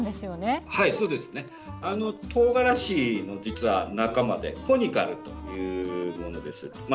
実は、とうがらしの仲間でコニカルというものです。